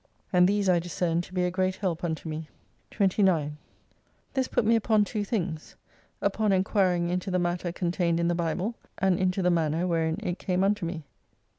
And these I discerned to be a great help unto me. 29 This put me upon two things : upon enquiring into the matter contained in the Bible, and into the manner wherein it came unto me.